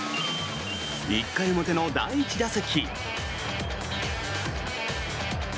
１回表の第１打席。